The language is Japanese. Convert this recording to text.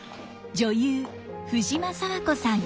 女優藤間爽子さん。